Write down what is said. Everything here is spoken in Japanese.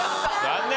残念。